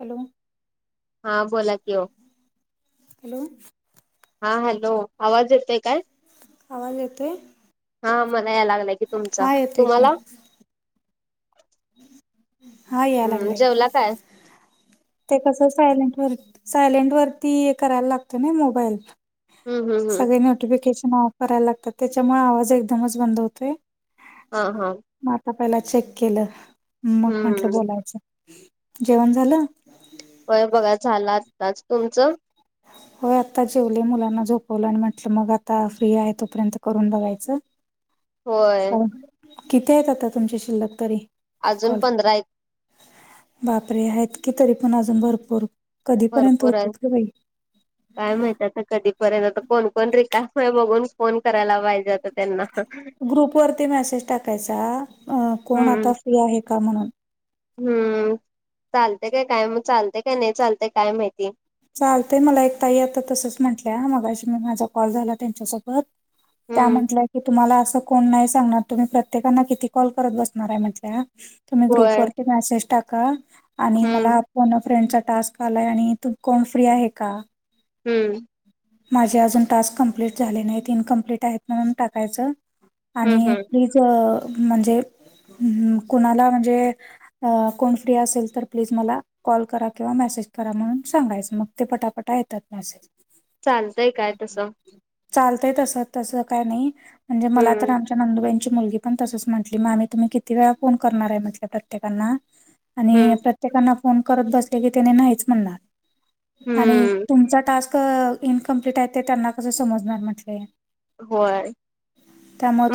Hello! हा बोला क हो. हॅलो! हा हॅलो आवाज येतय काय? आवाज येत. हा मला या लागलाय की तुमचा येतोय की तुम्हाला हा याय हम्म लागलाय जेवला काय? ते कसं सायलेंट व सायलेंट वरती करायला लागत ना मोबाईल. हम्म हम्म हम्म सगळे नोटिफिकेशन ऑफ करायला लागतात त्याच्यामुळे आवाज एकदमच बंद होतोय. हा हा. मग आता पहिला चेक केलं मग म्हटलं हम्म बोलायचं जेवण झालं. वय बघा झालाताच तुमचं. होय आता जेवले मुलांना झोपवलं आणि म्हटलं मग आता फ्री आहे तोपर्यंत करून बघायचं. होय का किती आहेत आता तुमच्या शिल्लक तरी. अजून पंधरा आहेत. वापरे आहेत की तरी पण अजून भरपूर. कधीपर्यंत भरपूर आहे. होतील ग बाई काय माहितय कधीपर्यंत कोणकण रिकास्ट बघून फोन करायला पाहिज. ग्रुप वरती मेसेज टाकायचा कोण हम्म आता फ्री आहे का म्हणून हम्म चालते काय काय मग चालतेय काय नाही चालत काय माहिती? चालते मला एक तही आता तसच म्हटल्या मगाशी मी माझा कॉल झाला त्यांच्यासोबत. त्या हम्म म्हंटलं की तुम्हाला अस. प्र होय म्ह मेसेज टाका आणि हम्म मला पर्ण फ्रेंडचा टास्क आलाय आणि तू कोण फ्री आहे का? हम्म. माझे अजून टास्क कमप्लीट झाले नाहीत इनकमप्लीट आहेत म्हणून टाकायचं. हम्म आणि हम्म प्लीज म्हणजे कुणाला म्हणजे? कोण फ्री असेल तर प्लीज मला. कॉल करा किंवा मेसेज करा म्हणून सांगायचं मग ते पटापटा येतात मेसेज. चालतय काय तसं चालतय तसं तसं काय नाही म्हणजे मला हम्म तर आमच्या नंदुबाईंची मुलगी पण तसंच म्हटली मामी तुम्ही किती वेळा फोन करणार आहे म्हटलं प्रतेकांना आणि हम्म प्रत्येकांना फोन करत बसले की तेंनी नाहीच म्हणणार आणि हम्म तुमचा टास्क इनकमप्लीट आहे ते त्यांना कस समजणार म्हटली होय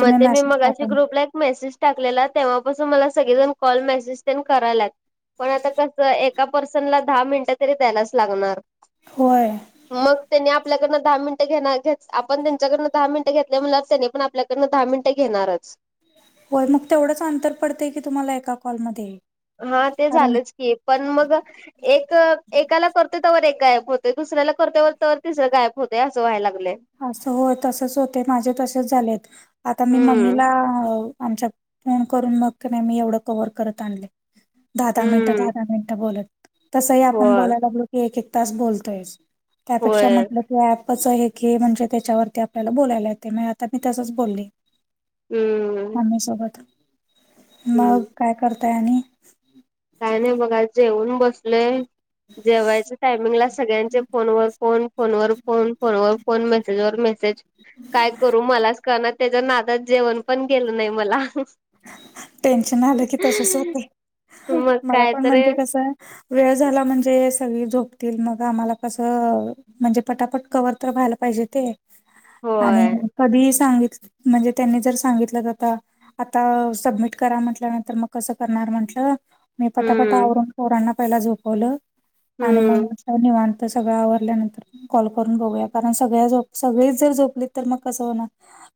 म ते मी मेसेज मगाशी टाका ग्रुपला एक मेसेज टाकलेला तेव्हापासून मला सगळेजण कॉल मेसेज तेन करायलात पण आता कस एका पर्सनला दहा मिनिटं तरी द्यायलाच लागणार होय मग त्यांनी आपल्याकडं दहा मिनटं घेनार [unintelligible] आपण त्यांच्याकडन दहा मिनिटं घेतल्या म्हटल्यावर त्यानी पण आपल्याकडनं दहा मिनटं घेणारच होय मग तेवढंच अंतर पडतय की तुम्हाला एका कॉलमध्ये हा ते कारण झालंच पण मग एक एकाला करते त्यावर एक गायब होते दुसऱ्याला करतेवर तर तिसरं गायप होतेय असं व्हाय लागलंय. असं होय तसच होते माझे तसेच झालेत आता मी हम्म मम्मीला आमच्या फोन करून मग नाही मी एवढं कव्हर करत आणले दहा दहा मिनिटं हम्म दहा दहा मिनिटं बोलत तसही आपण होय बोलायला लागलो की एक एक तास बोलतोय त्यापेक्षा होय म्हटलं की अॅप कि म्हणजे त्याच्यावरती आपल्याला बोलायला येते म्ह आता मी तसच बोलले हम्म मम्मी सोबत हम्म. मग काय करताय आणि. काय नाही बघा जेऊन बसलोय जेवयच्या टायमिंगला सगळ्यांचे फोनवर फोन फोनवर फोन फोनवर फोन मेसेजवर मेसेज काय करू मलाच कळणा त्याच्या नादात जेवण पण गेलं नाही मला टेन्शन आलं की तसच होतं मग मला काय पण तरी म्हणजे कसं वेळ झाला म्हणजे सगळी झोपतील मग आम्हाला कसं म्हणजे पटापट कवर तर व्हायला पाहिजे ते आणि होय कधी सांगितल म्हणजे त्यांनी जर सांगितलं आता आता सबमिट करा म्हटल्यानंतर मग कसं करणार म्हंटलं मी पटापट हम्म आवरून पोरांना पहिला झोपवलं आणि मग हम्म म्हटलं निवांत सगळं आवरल्यानंतर कॉल करून बघूया कारण सगळ्या झो सगळेच जर झोपलीत तर मग कसं होणार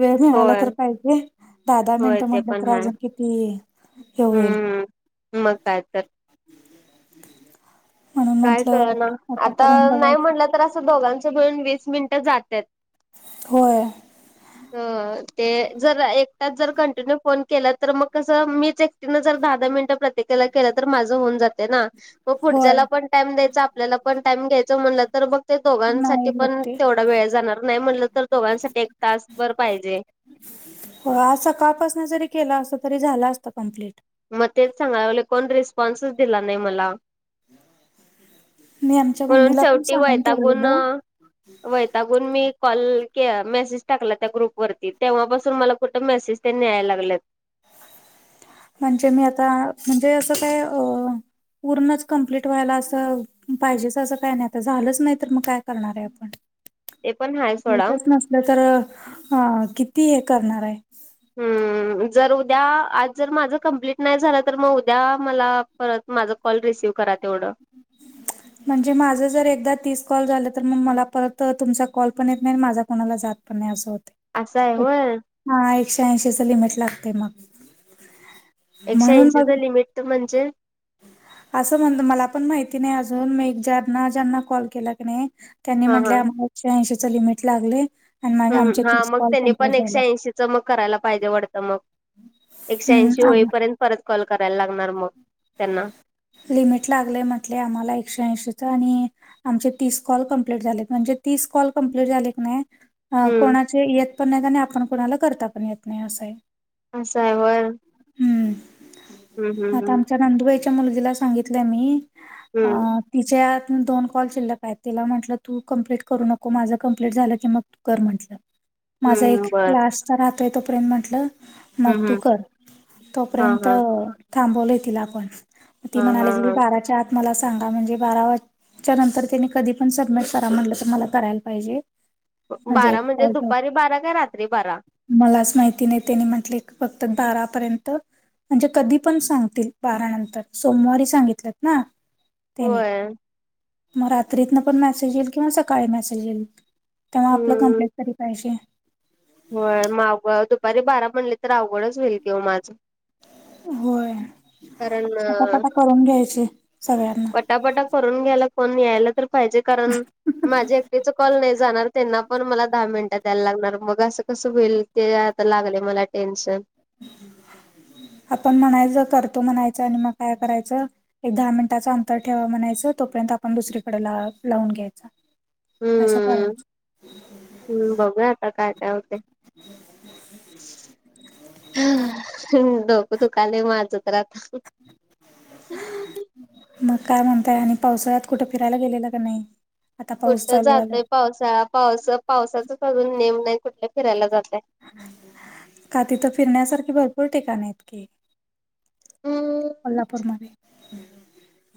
वेळ मिळाला होय तर पाहिजे दहा दहा मिनट होय ते म्हणल तर पण हाय अजून किती हे होईल हम्म मग काय तर [unintelligible] काय म्हंटलं कळना आता करून नाही बघायचं म्हटलं तर असं दोघांचं मिळून वीस मिनिटं जातात होय [unintelligible] ते जर एकटाच जर कंटिन्यू फोन केला तर मग कसं मीच एक टीन जर दहा दहा मिनट प्रत्येकाला केलं तर माझं होऊन जाते ना म होय पुढच्याला पण टाईम द्यायचा आपल्याला पण टाईम घ्यायचा म्हणलं तर बघ ते नाही दोघांसाठी होत पण ते तेवढा वेळ जाणार नाही म्हटलं तर दोघांसाठी एक तासभर पाहिजे. हो आज सकाळपासून जरी केला असत तरी झालं असत कंप्लीट. मग तेच सांगाय लागलोय कोण रिस्पॉन्सच दिला नाही मला मी आमच्या म्हणून मम्मीला पण शेवटी सांगून वैतागुण ठेवलेलं वैतागून मी कॉल के मेसेज टाकला त्या ग्रुप वरती तेव्हापासून मला कुठे मेसेज त्येंनी याय लागलेत म्हणजे मी आता म्हणजे असं काय अ पूर्णच कम्प्लीट व्हायला असं पाहिजेच असं काही नाही आता झालंच नाही तर मग काय करणार आहे आपण ते पण हाय सोडा होतच नसलं तर अ किती हे करणार आहे. हम्म जर उद्या आज जर माझ कंप्लीट नाही झालं तर मग उद्या मला परत माझा कॉल रिसिव्ह करा तेवढं. म्हणजे माझं जर एकदा तीस कॉल झालं तर मग मला परत तुमचा कॉल पण येत नाही माझा कोणाला जात पन्नास होते. असं आहे हो. हा एकशे ऐंशीच लिमिट लागते मग एकशे म्हणून मग ऐंचीचं लिमिट म्हणजे असं म्हणत मला पण माहिती नाही अजून मी ज्यांना ज्यांना कॉल केला क नाही. त्यांनी हा म्हटले हा आम्हाला एकशे ऐंशीच लिमिट लागले. आणि माझे आमचे हम्म हा तीस मग कॉल त्यानी कंप्लीट पण झाले एकशे ऐंशीच मग करायला पाहिजे वडतं मग. एकशे ऐंशी हम्म होईपर्यंत परत कॉल करायला लागणार मग त्यांना. लिमिट लागलंय म्हटले आम्हाला एकशे ऐंशीच आणि आमचे तीस कॉल कमप्ललीट झाले म्हणजे तीस कॉल कंप्लीट झाले की नाही. अ हम्म कोणाचे येत पण नाही आणि आपण कोणाला करता पण येत नाही असं आहे. असा आहे वर. हम्म आता हम्म आमच्या नंदुबाईच्या मुलगीला सांगितलंय मी अ हम्म तिच्यात दोन कॉल चिल्क पाय तिला म्हटलं तू कंप्लीट करू नको माझं कं्प्लीट झालं की मग. म्हंटलं माझा एक हम्म बर क्लास्चा राहतोय तोपर्यंत म्हंटलं. मग हम्म तू हम्म कर हा तोपर्यंत हा थांबवलेतील आपण ती हा हा म्हणाली कीी हा बाराच्या आत मला सांगा म्हणजे बारा. त्याच्यानंतर त्यानी कधी पण सबमिट करा म्हटलं तर मला करायला पाहिजे. बारा म्हणजे दुपारी बारा काय रात्री बारा. मलाच माहिती नाही त्यांनी म्हटले फक्त बारापर्यंत. म्हणजे कधी पण सांगतील बारानंतर. सोमवारी सांगितल्यात ना त्याने होय मग रात्रीतन पण मेसेज येईल किंवा सकाळी मेसेज येईल तेव आपलं कंप्लेट तरी पाहिजे. हो मावगं दुपारी बारा म्हणले तर अवघडच होईल तेव माझं होय कारण कटापटा करून घ्यायचे सगळ्यांना फटापटा करून घ्यायला फण यायला तर पाहिजे कारण माझे कॉल नाही जाणार त्यांना पण मला दहा मिनिटं द्यायला लागणार मग असं कसं होईल. ते आता लागले मला टेन्शन. आपण म्हणायचं करतो म्हणायचं आणि मग काय करायचं. एक दहा मिनिटाच अंतर ठेवा म्हणायचं तोपर्यंत आपण दुसरीकडे लावून घ्यायचा. अशं हम्म क हम्म बघूया आता काय काय होते. ोक तु काले माझ उत राहता. मग काय म्हणताय आणि पावसाळ्यात कुठं फिरायला गेलेलं का नाही. आता पाऊस कुठं चालू झालाय जातय पावसाळा पावस पावसाचच अजून नेम नाही कुठलं फिरायला जातय. का तिथं फिरण्यासारखी भरपूर ठिकाणे आहेतत की. हम्म को्हापूर मध्ये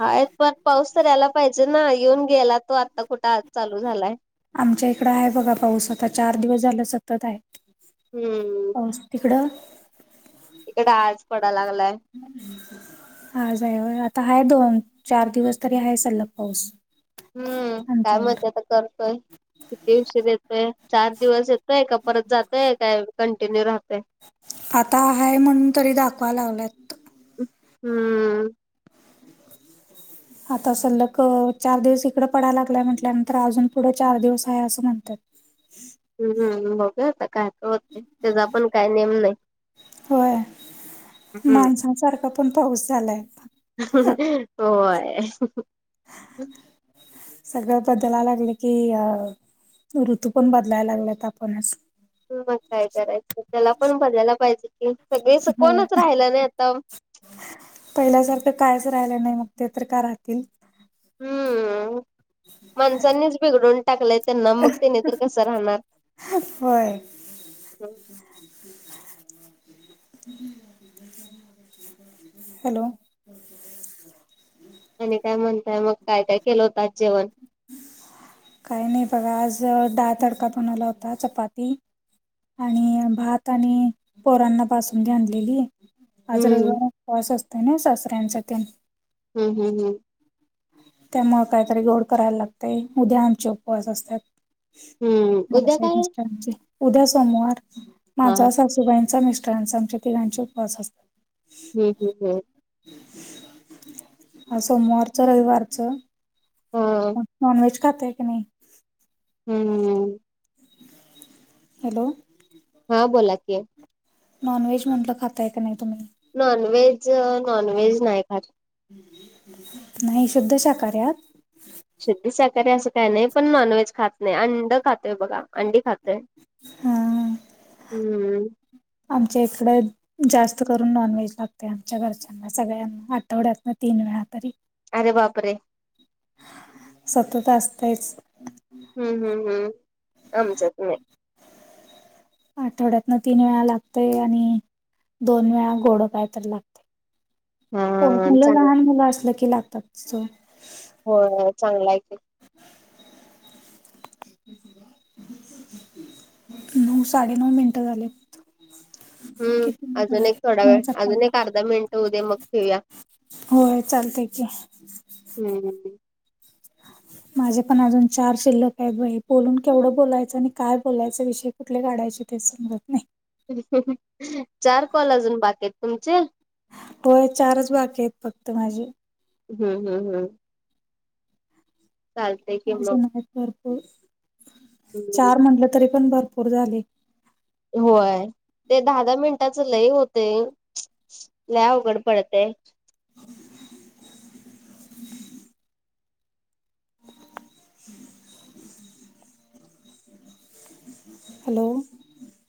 हाय प पाऊस तर यायला पाहिजे ना येऊन गेला तो आता कुठं आज चालू झालाय. आमच्या इकड आहे बघा पाऊस आता चार दिवस झालं सतत आहे हम्म पास तिकडं. इकडे आळज पडाला लागलाय. हम्. हा जा आता आहे दोन चार दिवस तरी आहे सलग पाऊस. हम्म काय आमच्याकडे मजा तर करतोय. किती दिवशी येतोय चार दिवस येतोय का परत जातय काय कंटिन्यू राहतय. आता आहे म्हणून तरी दाखवा लागलात. हम्म आता सलग चार दिवस इकडं पडायला लागलाय म्हटल्यानंतर अजून पुढं चार दिवस आहे असं म्हणतात. हम्म बघू आता काय तर होते त्याचा पण काय नेम नाही. हम्म मज. पण पाऊस झालाय. होय. सगळं बदलायला लागले की अ ऋतू पण बदलायला लागलेत आपणच मग काय करायचं त्याला पण बजायला पाहिजे कि सगळे होय कोणच राहिलं नाही आता. पहिल्यासारखं कायच राहिलं नाही मग ते तर का राहतील. हम्म माणसांनीच बिघडून टाकलंय त्यांना मग त्याने तर कसं राहणार होय. हॅलो! आणि काय म्हणताय मग काय काय केलं होतात जेवण काही नाही बघा आज डाळ तडका बनवला होता चपाती आणि भात आणि पोरांना पासून धांधलेली. आज हम्म रविवार पास असतो ना सासऱ्यांचा हम् हम् हम. त्यामु काहीतरी गोड करायला लागते उद्या आमचे उपवास असतात. हम्म उद्या काय. हांज. उद्या सोमवार हा माझा हम्म सासूबाईंचा मिस्टरांचा आमच्या तिघांचे उपवास असतात. हम् हम् हम्. ह सोमवारचं रविवारच. हा नॉन ववेज खात की नाही. हम्मम. हॅलो! हा बोला कि. नॉन व्हेज म्हटलं खाताय का नाही तुम्ही नॉनव्हेज नॉनव्हेज नाही खात नाही शुद्ध शाका्यात. शुद्ी साकारी असं काही नाही पण नॉन व्हेज खात नाही अंड खात.. बघा अंडी खातोय हा हम्म. आमच्या इकडे जास्त करून नॉनव्हेज लागते आमच्या घरच्या सगळ्यांना आठवड्यात ना तीन वेळा तरी अरे बापरे सतत असतेच. हम्म हम्म हम्म आम चग नाही. आठवड्यातन तीन वेळा लागतोय आणि दोन वेळा गोडं काय तर लागते. हो हा मला चांगलं लहान मुलं असलं की लागतात. हो चांगला आहे. नऊ साडेनऊ मिनिटं झालेत. हम्म अजून एक थोडा वेळ नाहीच काय अजून एक अर्धा मिनिट होद्या मग ठेवया. होय चालतय की. हम. माझे पण अजून चार शिल्लक आहेत बई बोलून केवं बोलायचं आणि काय बोलायचं विषय.. कुठले काढायचे तेच समजत नाही. चार कॉल अजून बाकेत तुमचे होय चारच बाकी आहेत फक्त माझी हम हम हम. की माझे मग नाही भरपूर हम्म चार म्हटलं तरी पण भरपूर झाले. होय ते दहा दहा मिनिटाचं लय होते. लव गडबडते. [unintelligible] [unintelligible] हॅलो!